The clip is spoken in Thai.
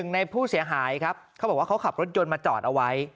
ในผู้เสียหายครับเขาบอกว่าเขาขับรถยนต์มาจอดเอาไว้